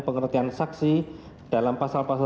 pengertian saksi dalam pasal pasal